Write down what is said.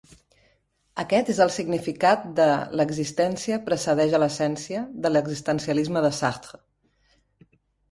Aquest és el significat de "l'existència precedeix a l'essència" de l'existencialisme de Sartre.